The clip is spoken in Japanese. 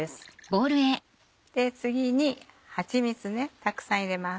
次にはちみつたくさん入れます。